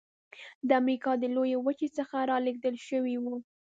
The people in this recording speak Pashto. د امریکا لویې وچې څخه رالېږدول شوي وو.